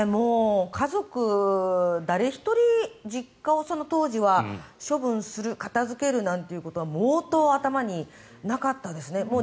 家族誰一人実家をその当時は処分する、片付けるなんてことは毛頭、頭になかったですね。